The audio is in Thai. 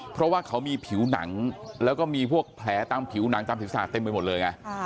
เพราะว่าเขามีผิวหนังแล้วก็มีพวกแผลตามผิวหนังตามศีรษะเต็มไปหมดเลยไง